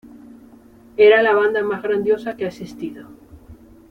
Era la banda más grandiosa que ha existido.